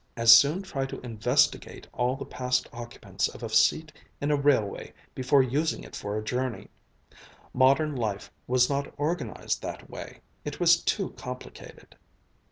As soon try to investigate all the past occupants of a seat in a railway before using it for a journey. Modern life was not organized that way. It was too complicated.